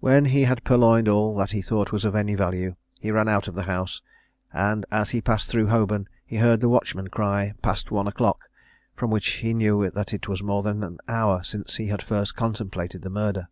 When he had purloined all that he thought was of any value, he ran out of the house; and as he passed through Holborn, he heard the watchman cry "Past one o'clock," from which he knew that it was more than an hour since he had first contemplated the murder.